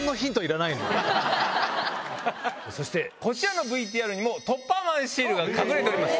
そしてこちらのＶＴＲにもトッパーマンシールが隠れてます。